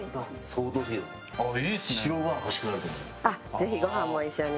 ぜひご飯も一緒に。